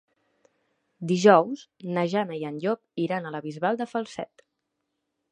Dijous na Jana i en Llop iran a la Bisbal de Falset.